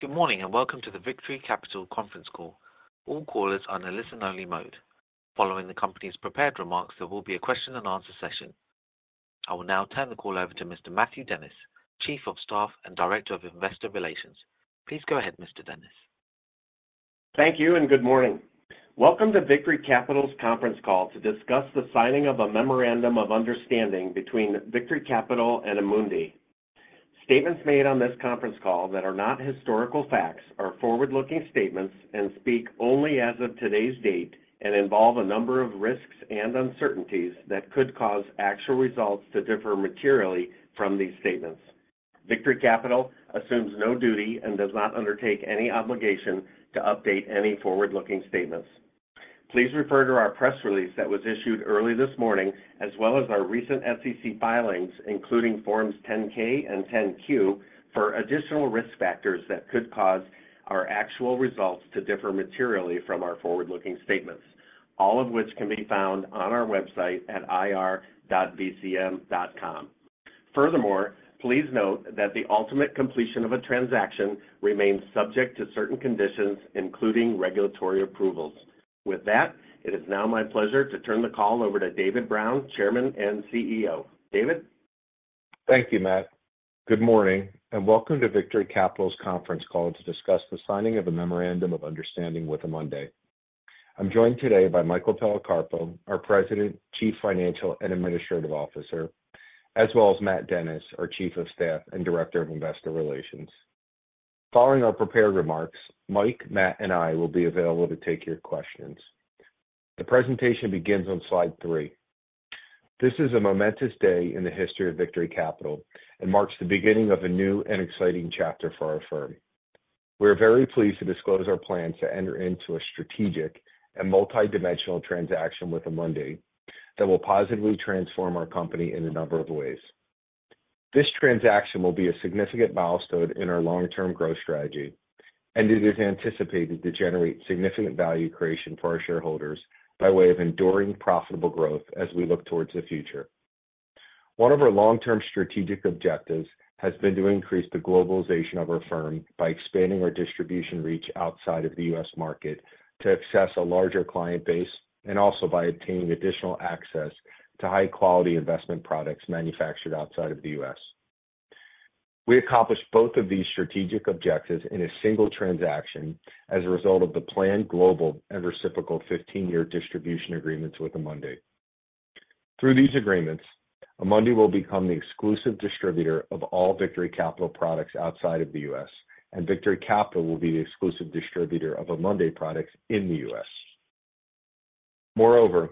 Good morning and welcome to the Victory Capital conference call. All callers are in a listen-only mode. Following the company's prepared remarks, there will be a question-and-answer session. I will now turn the call over to Mr. Matthew Dennis, Chief of Staff and Director of Investor Relations. Please go ahead, Mr. Dennis. Thank you and good morning. Welcome to Victory Capital's conference call to discuss the signing of a Memorandum of Understanding between Victory Capital and Amundi. Statements made on this conference call that are not historical facts are forward-looking statements and speak only as of today's date and involve a number of risks and uncertainties that could cause actual results to differ materially from these statements. Victory Capital assumes no duty and does not undertake any obligation to update any forward-looking statements. Please refer to our press release that was issued early this morning as well as our recent SEC filings, including Forms 10-K and 10-Q, for additional risk factors that could cause our actual results to differ materially from our forward-looking statements, all of which can be found on our website at ir.vcm.com. Furthermore, please note that the ultimate completion of a transaction remains subject to certain conditions, including regulatory approvals. With that, it is now my pleasure to turn the call over to David Brown, Chairman and CEO. David? Thank you, Matt. Good morning and welcome to Victory Capital's conference call to discuss the signing of a Memorandum of Understanding with Amundi. I'm joined today by Michael Policarpo, our President, Chief Financial and Administrative Officer, as well as Matt Dennis, our Chief of Staff and Director of Investor Relations. Following our prepared remarks, Mike, Matt, and I will be available to take your questions. The presentation begins on slide three. This is a momentous day in the history of Victory Capital and marks the beginning of a new and exciting chapter for our firm. We are very pleased to disclose our plans to enter into a strategic and multi-dimensional transaction with Amundi that will positively transform our company in a number of ways. This transaction will be a significant milestone in our long-term growth strategy, and it is anticipated to generate significant value creation for our shareholders by way of enduring profitable growth as we look towards the future. One of our long-term strategic objectives has been to increase the globalization of our firm by expanding our distribution reach outside of the U.S. market to access a larger client base and also by obtaining additional access to high-quality investment products manufactured outside of the U.S. We accomplish both of these strategic objectives in a single transaction as a result of the planned global and reciprocal 15-year distribution agreements with Amundi. Through these agreements, Amundi will become the exclusive distributor of all Victory Capital products outside of the U.S., and Victory Capital will be the exclusive distributor of Amundi products in the U.S. Moreover,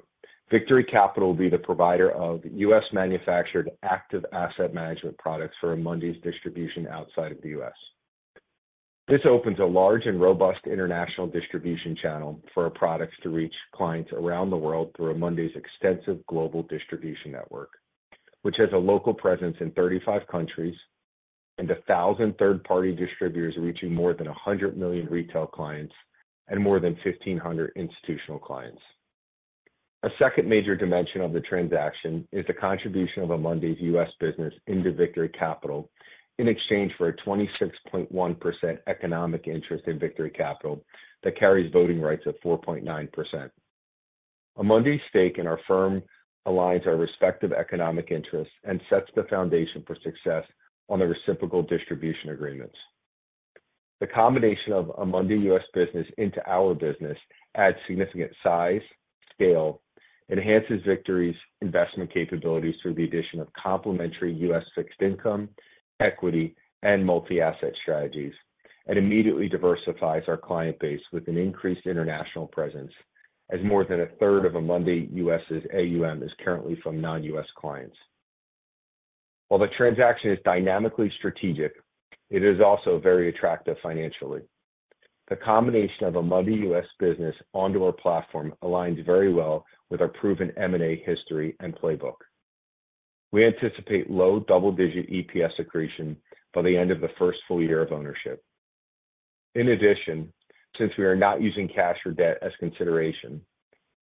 Victory Capital will be the provider of U.S.-manufactured active asset management products for Amundi's distribution outside of the U.S. This opens a large and robust international distribution channel for our products to reach clients around the world through Amundi's extensive global distribution network, which has a local presence in 35 countries and 1,000 third-party distributors reaching more than 100 million retail clients and more than 1,500 institutional clients. A second major dimension of the transaction is the contribution of Amundi's U.S. business into Victory Capital in exchange for a 26.1% economic interest in Victory Capital that carries voting rights of 4.9%. Amundi's stake in our firm aligns our respective economic interests and sets the foundation for success on the reciprocal distribution agreements. The combination of Amundi U.S. business into our business adds significant size, scale, enhances Victory's investment capabilities through the addition of complementary U.S. fixed income, equity, and multi-asset strategies, and immediately diversifies our client base with an increased international presence as more than a third of Amundi U.S.'s AUM is currently from non-U.S. clients. While the transaction is dynamically strategic, it is also very attractive financially. The combination of Amundi U.S. business onto our platform aligns very well with our proven M&A history and playbook. We anticipate low double-digit EPS accretion by the end of the first full year of ownership. In addition, since we are not using cash or debt as consideration,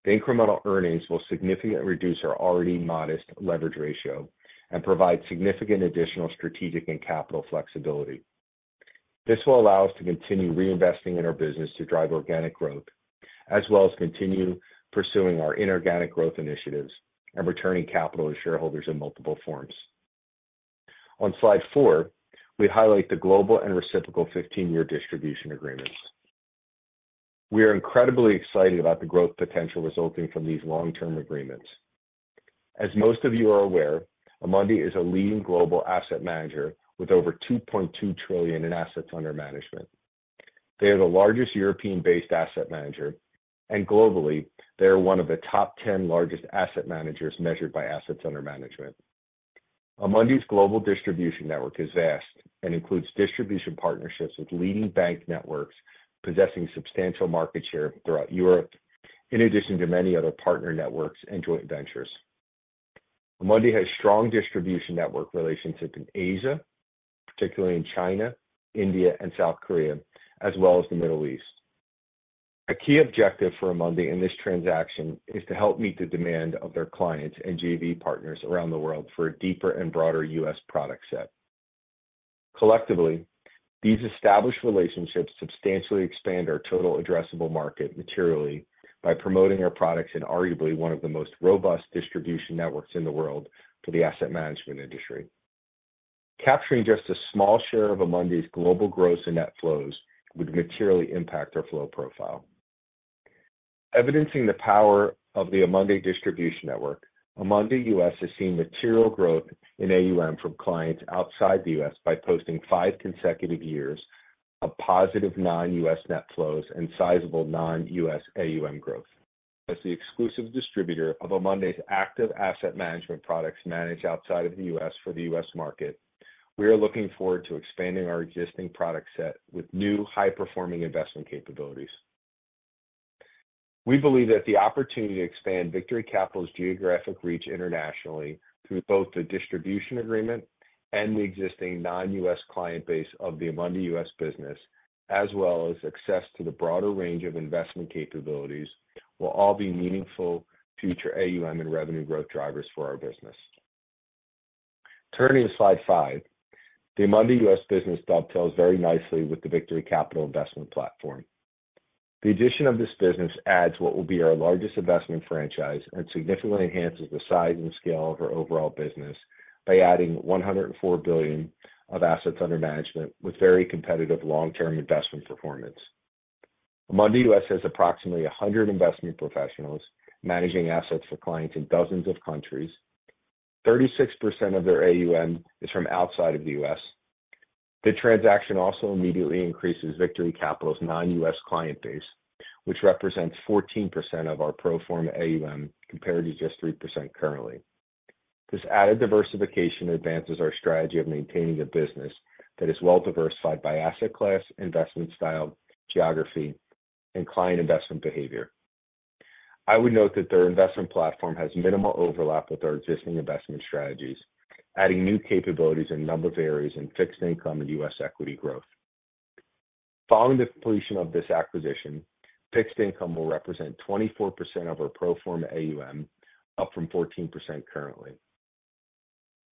the incremental earnings will significantly reduce our already modest leverage ratio and provide significant additional strategic and capital flexibility. This will allow us to continue reinvesting in our business to drive organic growth, as well as continue pursuing our inorganic growth initiatives and returning capital to shareholders in multiple forms. On slide four, we highlight the global and reciprocal 15-year distribution agreements. We are incredibly excited about the growth potential resulting from these long-term agreements. As most of you are aware, Amundi is a leading global asset manager with over $2.2 trillion in assets under management. They are the largest European-based asset manager, and globally, they are one of the top 10 largest asset managers measured by assets under management. Amundi's global distribution network is vast and includes distribution partnerships with leading bank networks possessing substantial market share throughout Europe, in addition to many other partner networks and joint ventures. Amundi has strong distribution network relationships in Asia, particularly in China, India, and South Korea, as well as the Middle East. A key objective for Amundi in this transaction is to help meet the demand of their clients and JV partners around the world for a deeper and broader U.S. product set. Collectively, these established relationships substantially expand our total addressable market materially by promoting our products in arguably one of the most robust distribution networks in the world for the asset management industry. Capturing just a small share of Amundi's global growth and net flows would materially impact our flow profile. Evidencing the power of the Amundi distribution network, Amundi U.S. has seen material growth in AUM from clients outside the U.S. by posting five consecutive years of positive non-U.S. net flows and sizable non-U.S. AUM growth. As the exclusive distributor of Amundi's active asset management products managed outside of the U.S. for the U.S. market, we are looking forward to expanding our existing product set with new high-performing investment capabilities. We believe that the opportunity to expand Victory Capital's geographic reach internationally through both the distribution agreement and the existing non-U.S. client base of the Amundi U.S. business, as well as access to the broader range of investment capabilities, will all be meaningful future AUM and revenue growth drivers for our business. Turning to slide five, the Amundi US business dovetails very nicely with the Victory Capital investment platform. The addition of this business adds what will be our largest investment franchise and significantly enhances the size and scale of our overall business by adding $104 billion of assets under management with very competitive long-term investment performance. Amundi U.S. has approximately 100 investment professionals managing assets for clients in dozens of countries. 36% of their AUM is from outside of the U.S. The transaction also immediately increases Victory Capital's non-U.S. client base, which represents 14% of our pro forma AUM compared to just 3% currently. This added diversification advances our strategy of maintaining a business that is well diversified by asset class, investment style, geography, and client investment behavior. I would note that their investment platform has minimal overlap with our existing investment strategies, adding new capabilities in a number of areas in fixed income and U.S. equity growth. Following the completion of this acquisition, fixed income will represent 24% of our pro forma AUM, up from 14% currently.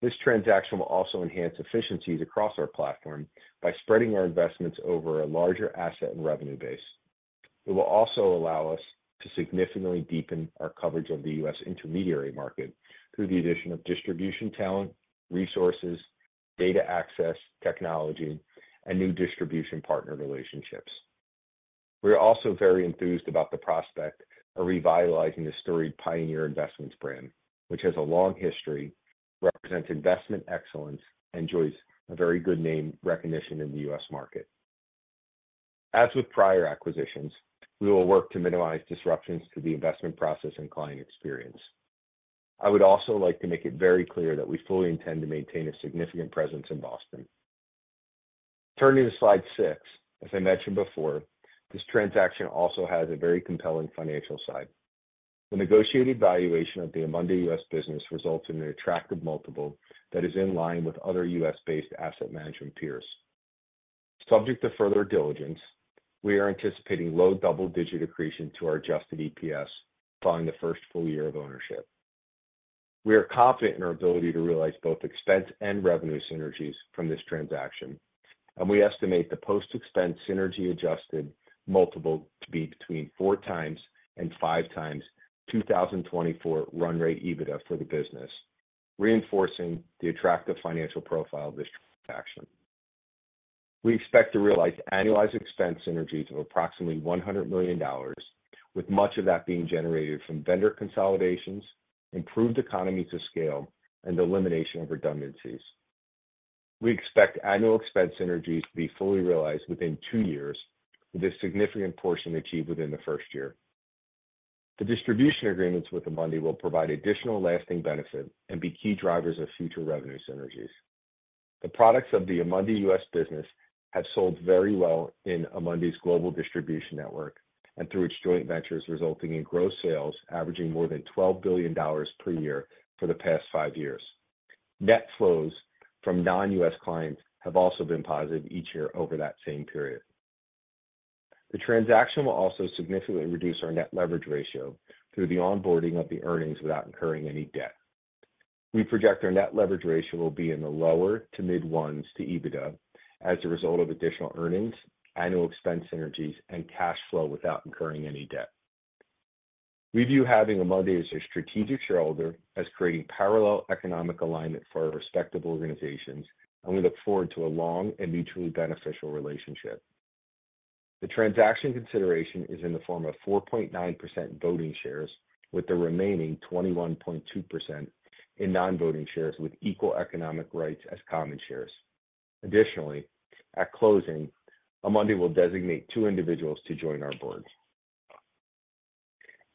This transaction will also enhance efficiencies across our platform by spreading our investments over a larger asset and revenue base. It will also allow us to significantly deepen our coverage of the U.S. intermediary market through the addition of distribution talent, resources, data access, technology, and new distribution partner relationships. We are also very enthused about the prospect of revitalizing the storied Pioneer Investments brand, which has a long history, represents investment excellence, and enjoys a very good name recognition in the U.S. market. As with prior acquisitions, we will work to minimize disruptions to the investment process and client experience. I would also like to make it very clear that we fully intend to maintain a significant presence in Boston. Turning to slide six, as I mentioned before, this transaction also has a very compelling financial side. The negotiated valuation of the Amundi U.S. business results in an attractive multiple that is in line with other U.S.-based asset management peers. Subject to further diligence, we are anticipating low double-digit accretion to our adjusted EPS following the first full year of ownership. We are confident in our ability to realize both expense and revenue synergies from this transaction, and we estimate the post-expense synergy adjusted multiple to be between 4x and 5x 2024 run rate EBITDA for the business, reinforcing the attractive financial profile of this transaction. We expect to realize annualized expense synergies of approximately $100 million, with much of that being generated from vendor consolidations, improved economies of scale, and elimination of redundancies. We expect annual expense synergies to be fully realized within two years, with a significant portion achieved within the first year. The distribution agreements with Amundi will provide additional lasting benefit and be key drivers of future revenue synergies. The products of the Amundi U.S. business have sold very well in Amundi's global distribution network and through its joint ventures, resulting in gross sales averaging more than $12 billion per year for the past five years. Net flows from non-U.S. clients have also been positive each year over that same period. The transaction will also significantly reduce our net leverage ratio through the onboarding of the earnings without incurring any debt. We project our net leverage ratio will be in the lower to mid-ones to EBITDA as a result of additional earnings, annual expense synergies, and cash flow without incurring any debt. We view having Amundi as a strategic shareholder as creating parallel economic alignment for our respective organizations, and we look forward to a long and mutually beneficial relationship. The transaction consideration is in the form of 4.9% voting shares, with the remaining 21.2% in non-voting shares with equal economic rights as common shares. Additionally, at closing, Amundi will designate two individuals to join our board.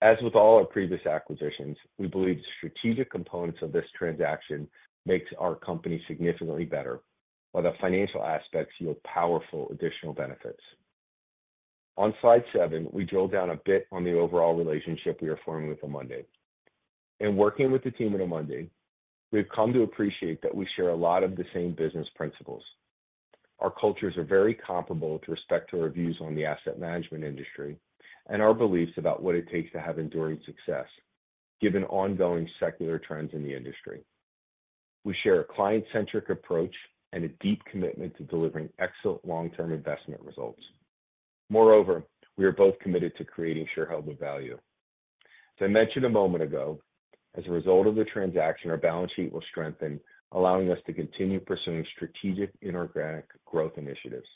As with all our previous acquisitions, we believe the strategic components of this transaction make our company significantly better, while the financial aspects yield powerful additional benefits. On slide seven, we drill down a bit on the overall relationship we are forming with Amundi. In working with the team at Amundi, we have come to appreciate that we share a lot of the same business principles. Our cultures are very comparable with respect to our views on the asset management industry and our beliefs about what it takes to have enduring success given ongoing secular trends in the industry. We share a client-centric approach and a deep commitment to delivering excellent long-term investment results. Moreover, we are both committed to creating shareholder value. As I mentioned a moment ago, as a result of the transaction, our balance sheet will strengthen, allowing us to continue pursuing strategic inorganic growth initiatives.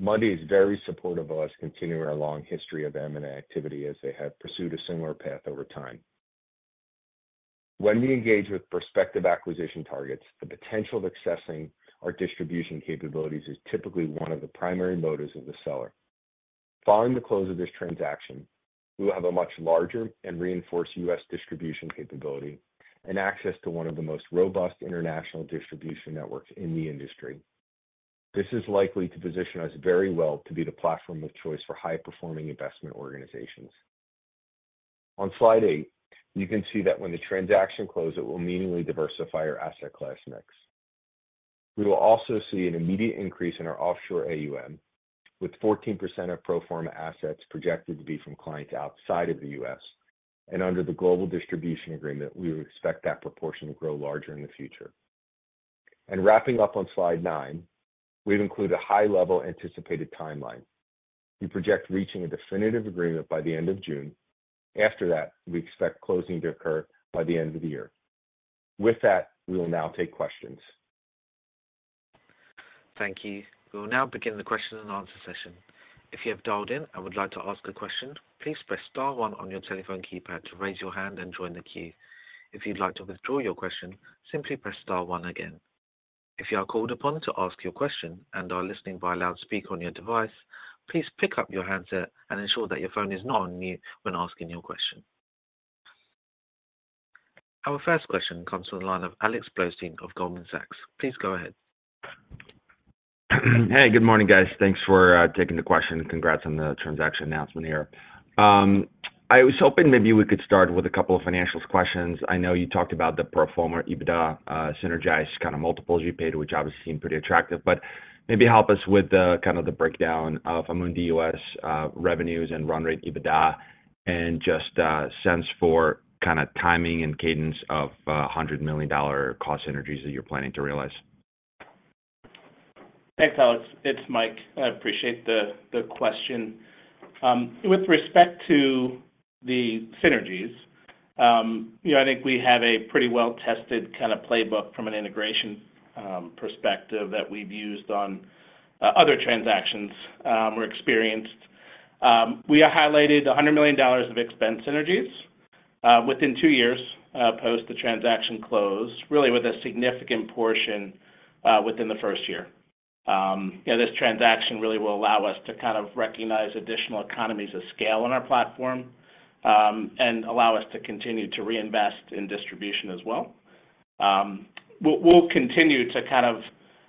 Amundi is very supportive of us continuing our long history of M&A activity as they have pursued a similar path over time. When we engage with prospective acquisition targets, the potential of accessing our distribution capabilities is typically one of the primary motives of the seller. Following the close of this transaction, we will have a much larger and reinforced U.S. distribution capability and access to one of the most robust international distribution networks in the industry. This is likely to position us very well to be the platform of choice for high-performing investment organizations. On slide eight, you can see that when the transaction closes, it will meaningfully diversify our asset class mix. We will also see an immediate increase in our offshore AUM, with 14% of pro forma assets projected to be from clients outside of the U.S. Under the global distribution agreement, we expect that proportion to grow larger in the future. Wrapping up on slide nine, we've included a high-level anticipated timeline. We project reaching a definitive agreement by the end of June. After that, we expect closing to occur by the end of the year. With that, we will now take questions. Thank you. We will now begin the question-and-answer session. If you have dialed in and would like to ask a question, please press star one on your telephone keypad to raise your hand and join the queue. If you'd like to withdraw your question, simply press star 1 again. If you are called upon to ask your question and are listening via loudspeaker on your device, please pick up your handset and ensure that your phone is not on mute when asking your question. Our first question comes from the line of Alex Blostein of Goldman Sachs. Please go ahead. Hey, good morning, guys. Thanks for taking the question. Congrats on the transaction announcement here. I was hoping maybe we could start with a couple of financials questions. I know you talked about the pro forma EBITDA synergized kind of multiples you paid, which obviously seemed pretty attractive. But maybe help us with kind of the breakdown of Amundi U.S. revenues and run rate EBITDA and just sense for kind of timing and cadence of $100 million cost synergies that you're planning to realize. Thanks, Alex. It's Mike. I appreciate the question. With respect to the synergies, I think we have a pretty well-tested kind of playbook from an integration perspective that we've used on other transactions we're experienced. We highlighted $100 million of expense synergies within two years post the transaction close, really with a significant portion within the first year. This transaction really will allow us to kind of recognize additional economies of scale on our platform and allow us to continue to reinvest in distribution as well. We'll continue to kind of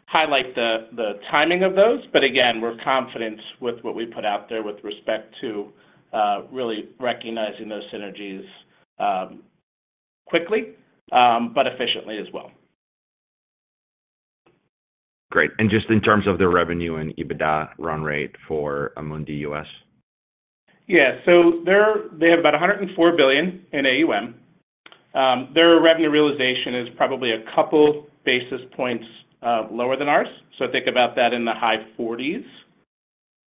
highlight the timing of those. But again, we're confident with what we put out there with respect to really recognizing those synergies quickly but efficiently as well. Great. And just in terms of their revenue and EBITDA run rate for Amundi U.S.? Yeah. So they have about $104 billion in AUM. Their revenue realization is probably a couple basis points lower than ours. So think about that in the high 40s.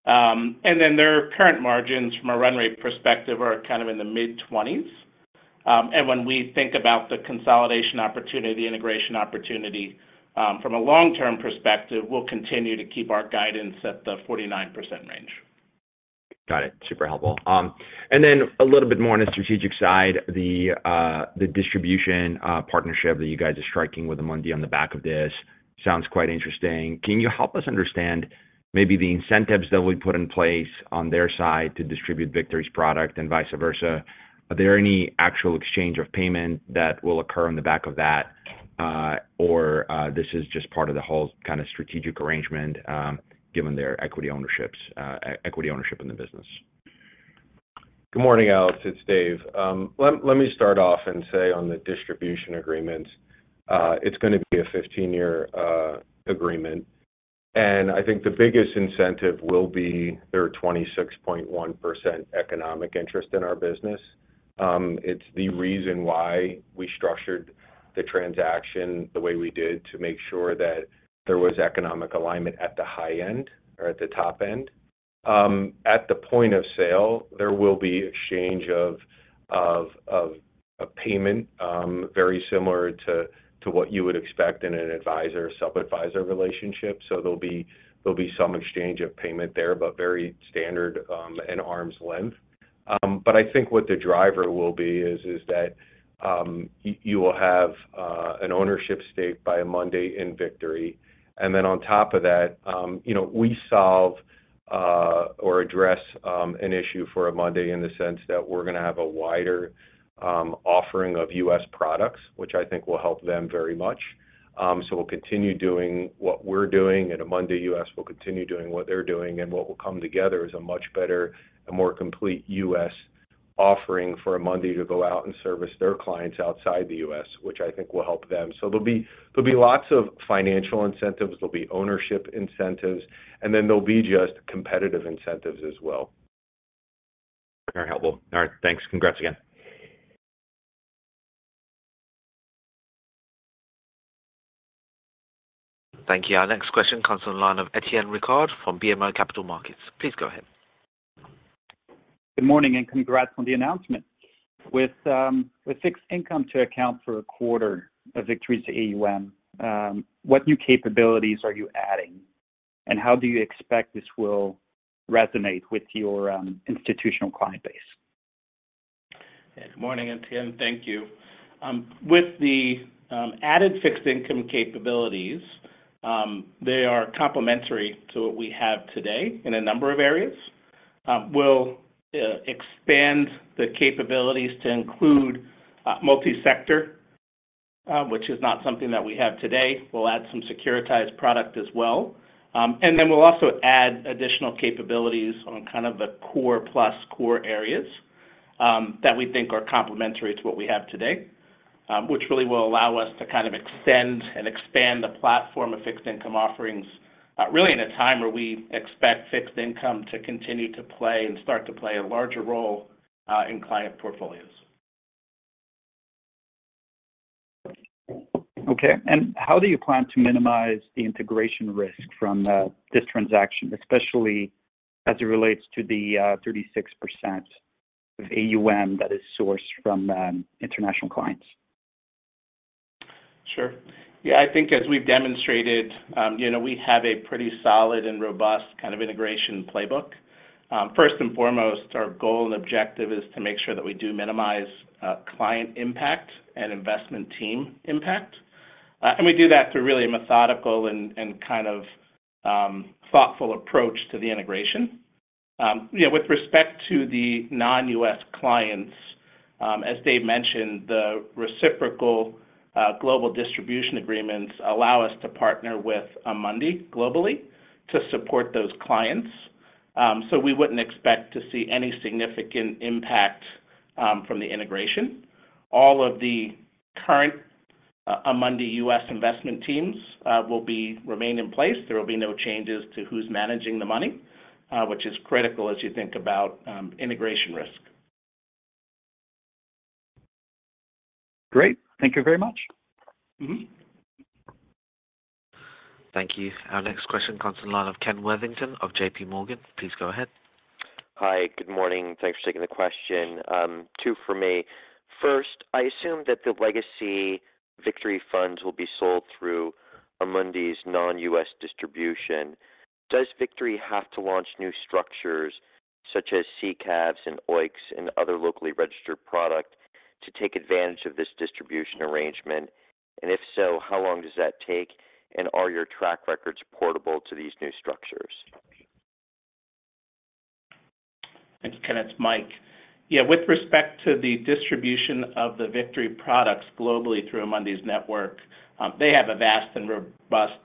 And then their current margins from a run rate perspective are kind of in the mid-20s. And when we think about the consolidation opportunity, the integration opportunity from a long-term perspective, we'll continue to keep our guidance at the 49% range. Got it. Super helpful. And then a little bit more on the strategic side, the distribution partnership that you guys are striking with Amundi on the back of this sounds quite interesting. Can you help us understand maybe the incentives that we put in place on their side to distribute Victory's product and vice versa? Are there any actual exchange of payment that will occur on the back of that, or this is just part of the whole kind of strategic arrangement given their equity ownership in the business? Good morning, Alex. It's Dave. Let me start off and say on the distribution agreement, it's going to be a 15-year agreement. I think the biggest incentive will be their 26.1% economic interest in our business. It's the reason why we structured the transaction the way we did to make sure that there was economic alignment at the high end or at the top end. At the point of sale, there will be exchange of payment very similar to what you would expect in an advisor/sub-advisor relationship. There'll be some exchange of payment there but very standard and arm's length. I think what the driver will be is that you will have an ownership stake by Amundi in Victory. And then on top of that, we solve or address an issue for Amundi in the sense that we're going to have a wider offering of U.S. products, which I think will help them very much. So we'll continue doing what we're doing, and Amundi U.S. will continue doing what they're doing. And what will come together is a much better and more complete U.S. offering for Amundi to go out and service their clients outside the U.S., which I think will help them. So there'll be lots of financial incentives. There'll be ownership incentives, and then there'll be just competitive incentives as well. Very helpful. All right. Thanks. Congrats again. Thank you. Our next question comes on the line of Étienne Ricard from BMO Capital Markets. Please go ahead. Good morning and congrats on the announcement. With fixed income to account for a quarter of Victory's AUM, what new capabilities are you adding, and how do you expect this will resonate with your institutional client base? Good morning, Étienne. Thank you. With the added fixed income capabilities, they are complementary to what we have today in a number of areas. We'll expand the capabilities to include multi-sector, which is not something that we have today. We'll add some securitized product as well. And then we'll also add additional capabilities on kind of the core plus, core areas that we think are complementary to what we have today, which really will allow us to kind of extend and expand the platform of fixed income offerings, really in a time where we expect fixed income to continue to play and start to play a larger role in client portfolios. Okay. And how do you plan to minimize the integration risk from this transaction, especially as it relates to the 36% of AUM that is sourced from international clients? Sure. Yeah. I think as we've demonstrated, we have a pretty solid and robust kind of integration playbook. First and foremost, our goal and objective is to make sure that we do minimize client impact and investment team impact. And we do that through really a methodical and kind of thoughtful approach to the integration. With respect to the non-U.S. clients, as Dave mentioned, the reciprocal global distribution agreements allow us to partner with Amundi globally to support those clients. So we wouldn't expect to see any significant impact from the integration. All of the current Amundi U.S. investment teams will remain in place. There will be no changes to who's managing the money, which is critical as you think about integration risk. Great. Thank you very much. Thank you. Our next question comes on the line of Ken Worthington of JPMorgan. Please go ahead. Hi. Good morning. Thanks for taking the question. Two for me. First, I assume that the legacy Victory funds will be sold through Amundi's non-U.S. distribution. Does Victory have to launch new structures such as SICAVs and OEICs and other locally registered product to take advantage of this distribution arrangement? And if so, how long does that take, and are your track records portable to these new structures? Thanks, Kenneth. It's Mike. Yeah. With respect to the distribution of the Victory products globally through Amundi's network, they have a vast and robust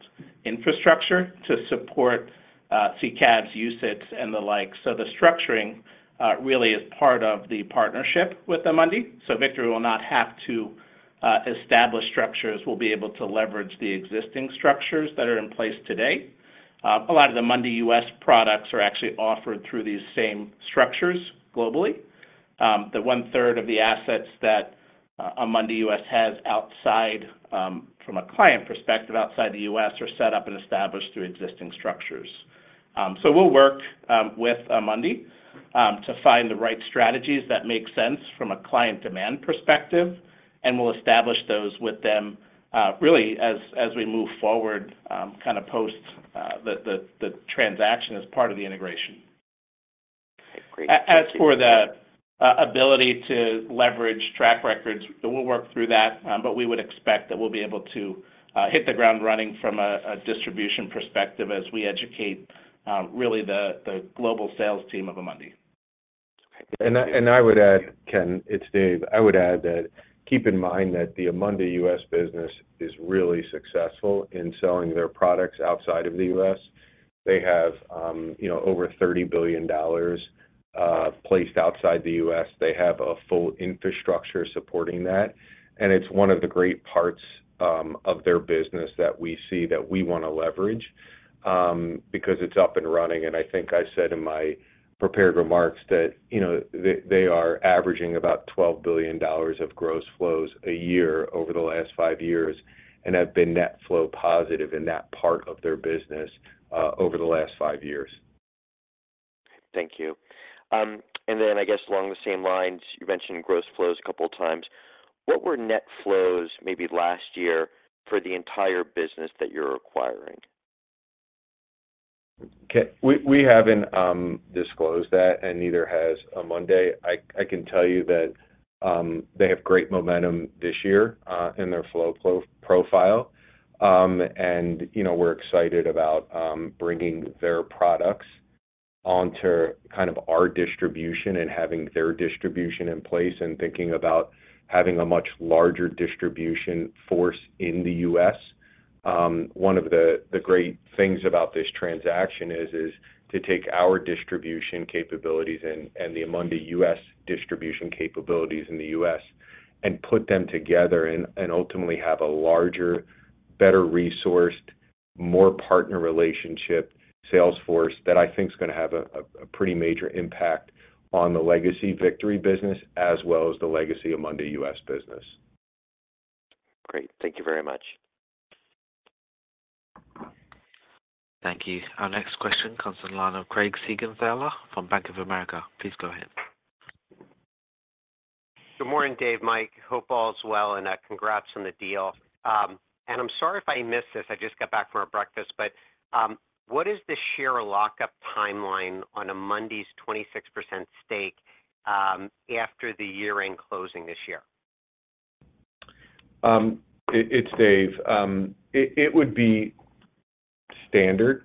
infrastructure to support SICAVs, UCITS, and the like. So the structuring really is part of the partnership with Amundi. So Victory will not have to establish structures. We'll be able to leverage the existing structures that are in place today. A lot of the Amundi U.S. products are actually offered through these same structures globally. The one-third of the assets that Amundi U.S. has from a client perspective outside the U.S. are set up and established through existing structures. So we'll work with Amundi to find the right strategies that make sense from a client demand perspective, and we'll establish those with them really as we move forward kind of post the transaction as part of the integration. As for the ability to leverage track records, we'll work through that. But we would expect that we'll be able to hit the ground running from a distribution perspective as we educate really the global sales team of Amundi. Okay. And I would add, Ken, it's Dave. I would add that keep in mind that the Amundi U.S. business is really successful in selling their products outside of the U.S. They have over $30 billion placed outside of the U.S. They have a full infrastructure supporting that. And it's one of the great parts of their business that we see that we want to leverage because it's up and running. And I think I said in my prepared remarks that they are averaging about $12 billion of gross flows a year over the last five years and have been net flow positive in that part of their business over the last five years. Thank you. And then I guess along the same lines, you mentioned gross flows a couple of times. What were net flows maybe last year for the entire business that you're acquiring? Okay. We haven't disclosed that and neither has Amundi. I can tell you that they have great momentum this year in their flow profile. We're excited about bringing their products onto kind of our distribution and having their distribution in place and thinking about having a much larger distribution force in the U.S. One of the great things about this transaction is to take our distribution capabilities and the Amundi US distribution capabilities in the U.S. and put them together and ultimately have a larger, better resourced, more partner relationship sales force that I think's going to have a pretty major impact on the legacy Victory business as well as the legacy Amundi U.S. business. Great. Thank you very much. Thank you. Our next question comes on the line of Craig Siegenthaler from Bank of America. Please go ahead. Good morning, Dave, Mike. Hope all's well. Congrats on the deal. I'm sorry if I missed this. I just got back from our breakfast. What is the share lockup timeline on Amundi's 26% stake after the year-end closing this year? It's Dave. It would be standard.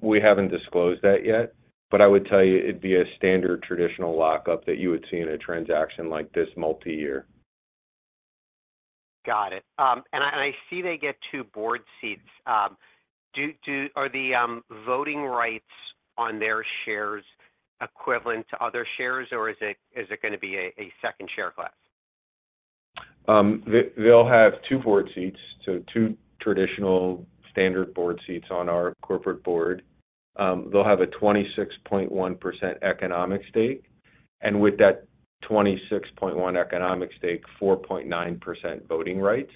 We haven't disclosed that yet. But I would tell you it'd be a standard traditional lockup that you would see in a transaction like this multi-year. Got it. I see they get two board seats. Are the voting rights on their shares equivalent to other shares, or is it going to be a second share class? They'll have two board seats, so two traditional standard board seats on our corporate board. They'll have a 26.1% economic stake. And with that 26.1% economic stake, 4.9% voting rights.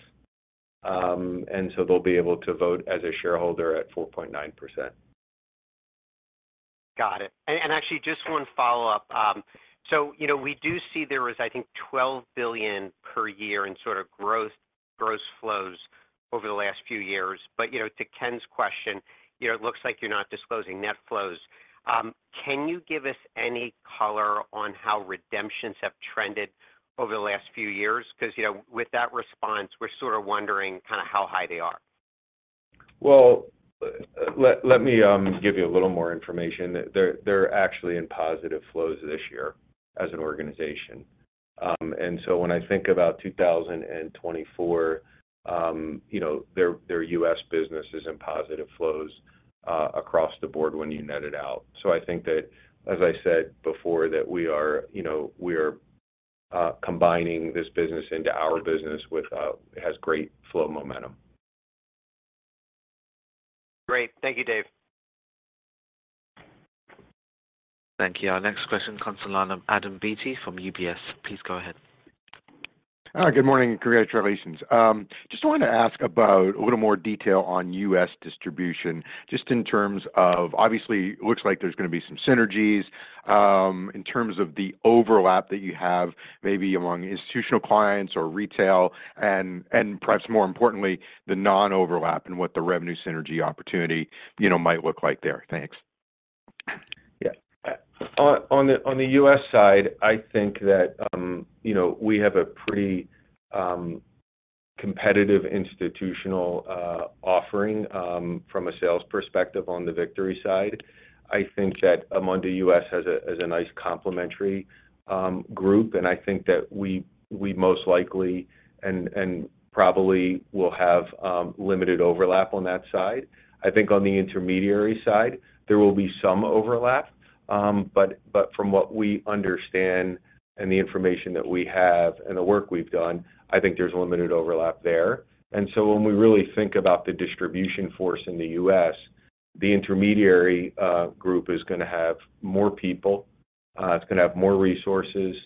And so they'll be able to vote as a shareholder at 4.9%. Got it. And actually, just one follow-up. So we do see there was, I think, $12 billion per year in sort of gross flows over the last few years. But to Ken's question, it looks like you're not disclosing net flows. Can you give us any color on how redemptions have trended over the last few years? Because with that response, we're sort of wondering kind of how high they are. Well, let me give you a little more information. They're actually in positive flows this year as an organization. And so when I think about 2024, their U.S. business is in positive flows across the board when you net it out. So I think that, as I said before, that we are combining this business into our business with it has great flow momentum. Great. Thank you, Dave. Thank you. Our next question comes on the line of Adam Beatty from UBS. Please go ahead. Good morning. Congratulations. Just wanted to ask about a little more detail on U.S. distribution just in terms of obviously, it looks like there's going to be some synergies in terms of the overlap that you have maybe among institutional clients or retail and perhaps more importantly, the non-overlap and what the revenue synergy opportunity might look like there. Thanks. Yeah. On the U.S. side, I think that we have a pretty competitive institutional offering from a sales perspective on the Victory side. I think that Amundi U.S. is a nice complementary group. And I think that we most likely and probably will have limited overlap on that side. I think on the intermediary side, there will be some overlap. But from what we understand and the information that we have and the work we've done, I think there's limited overlap there. And so when we really think about the distribution force in the U.S., the intermediary group is going to have more people. It's going to have more resources.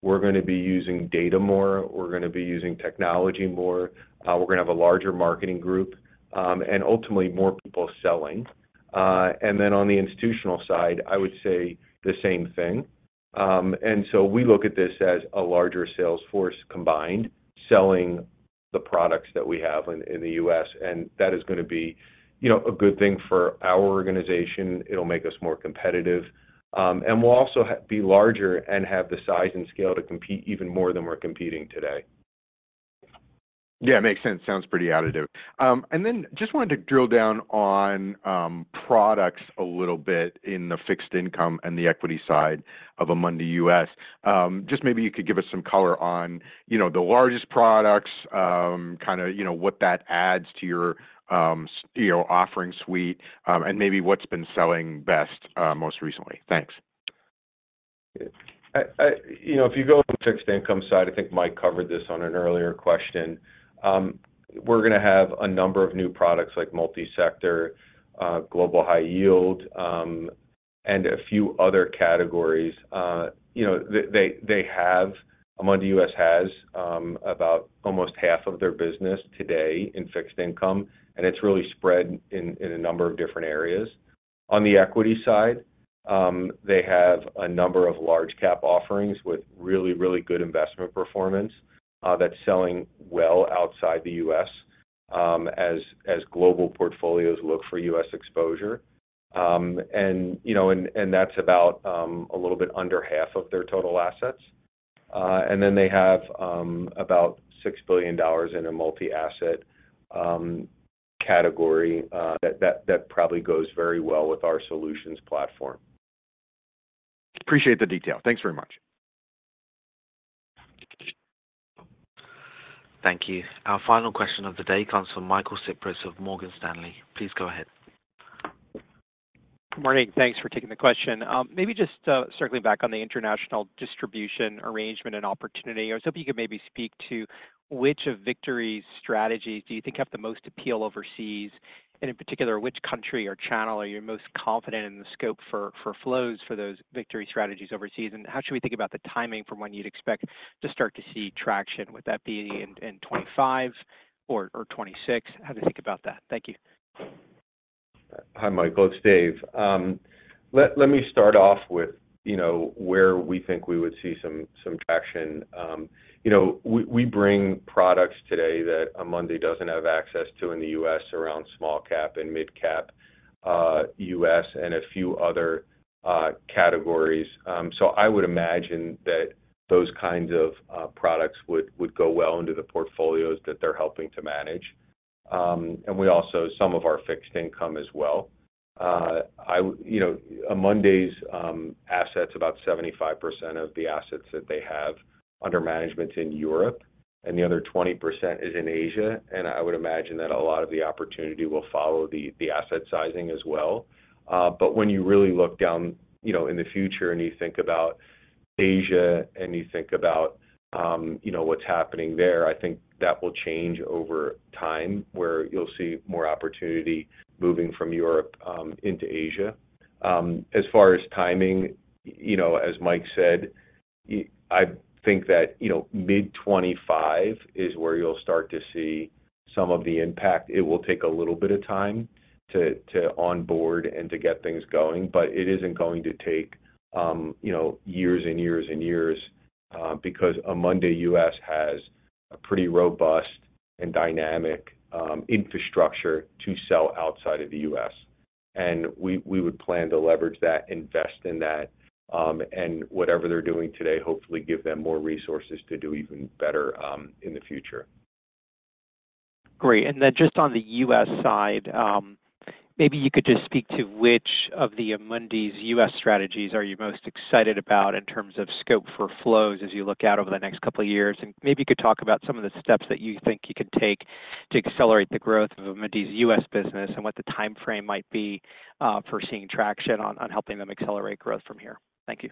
We're going to be using data more. We're going to be using technology more. We're going to have a larger marketing group and ultimately more people selling. And then on the institutional side, I would say the same thing. So we look at this as a larger sales force combined selling the products that we have in the U.S. That is going to be a good thing for our organization. It'll make us more competitive. We'll also be larger and have the size and scale to compete even more than we're competing today. Yeah. Makes sense. Sounds pretty additive. And then just wanted to drill down on products a little bit in the fixed income and the equity side of Amundi U.S. Just maybe you could give us some color on the largest products, kind of what that adds to your offering suite, and maybe what's been selling best most recently? Thanks. If you go on the fixed income side, I think Mike covered this on an earlier question, we're going to have a number of new products like multi-sector, global high yield, and a few other categories. Amundi US has about almost half of their business today in fixed income. It's really spread in a number of different areas. On the equity side, they have a number of large-cap offerings with really, really good investment performance that's selling well outside the U.S. as global portfolios look for U.S. exposure. That's about a little bit under half of their total assets. Then they have about $6 billion in a multi-asset category that probably goes very well with our solutions platform. Appreciate the detail. Thanks very much. Thank you. Our final question of the day comes from Michael Cyprys of Morgan Stanley. Please go ahead. Good morning. Thanks for taking the question. Maybe just circling back on the international distribution arrangement and opportunity, I was hoping you could maybe speak to which of Victory's strategies do you think have the most appeal overseas? And in particular, which country or channel are you most confident in the scope for flows for those Victory strategies overseas? And how should we think about the timing from when you'd expect to start to see traction? Would that be in 2025 or 2026? How do you think about that? Thank you. Hi, Michael. It's Dave. Let me start off with where we think we would see some traction. We bring products today that Amundi doesn't have access to in the U.S. around small-cap and mid-cap U.S. and a few other categories. So I would imagine that those kinds of products would go well into the portfolios that they're helping to manage. And we also some of our fixed income as well. Amundi's assets about 75% of the assets that they have under management's in Europe. And the other 20% is in Asia. And I would imagine that a lot of the opportunity will follow the asset sizing as well. But when you really look down in the future and you think about Asia and you think about what's happening there, I think that will change over time where you'll see more opportunity moving from Europe into Asia. As far as timing, as Mike said, I think that mid-2025 is where you'll start to see some of the impact. It will take a little bit of time to onboard and to get things going. But it isn't going to take years and years and years because Amundi U.S. has a pretty robust and dynamic infrastructure to sell outside of the U.S. And we would plan to leverage that, invest in that, and whatever they're doing today, hopefully give them more resources to do even better in the future. Great. And then just on the U.S. side, maybe you could just speak to which of the Amundi's U.S. strategies are you most excited about in terms of scope for flows as you look out over the next couple of years? And maybe you could talk about some of the steps that you think you can take to accelerate the growth of Amundi's US business and what the timeframe might be for seeing traction on helping them accelerate growth from here? Thank you.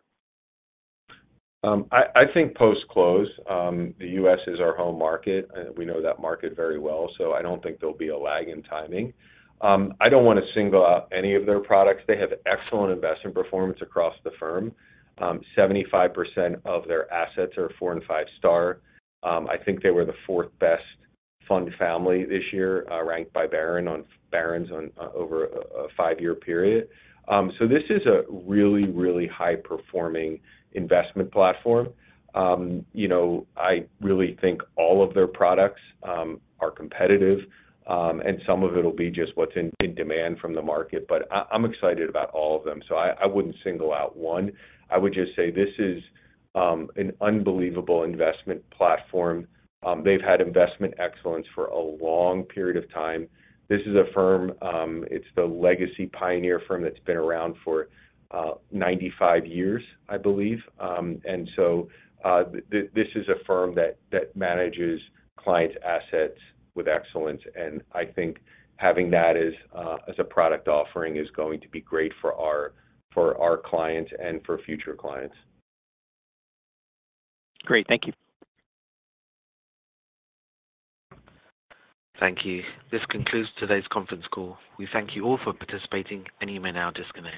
I think post-close, the U.S. is our home market. We know that market very well. So I don't think there'll be a lag in timing. I don't want to single out any of their products. They have excellent investment performance across the firm. 75% of their assets are four and five-star. I think they were the fourth best fund family this year ranked by Barron's over a five-year period. So this is a really, really high-performing investment platform. I really think all of their products are competitive. And some of it'll be just what's in demand from the market. But I'm excited about all of them. So I wouldn't single out one. I would just say this is an unbelievable investment platform. They've had investment excellence for a long period of time. This is a firm, it's the legacy Pioneer firm that's been around for 95 years, I believe. This is a firm that manages clients' assets with excellence. I think having that as a product offering is going to be great for our clients and for future clients. Great. Thank you. Thank you. This concludes today's conference call. We thank you all for participating, and you may now disconnect.